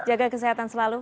jaga kesehatan selalu